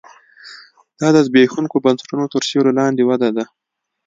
دا د زبېښونکو بنسټونو تر سیوري لاندې وده ده